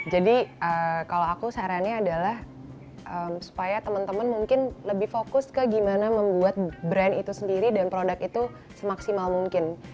jadi kalau aku sarannya adalah supaya temen temen mungkin lebih fokus ke gimana membuat brand itu sendiri dan produk itu semaksimal mungkin